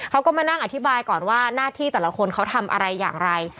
เขาก็มานั่งอธิบายก่อนว่าหน้าที่แต่ละคนเขาทำอะไรอย่างไร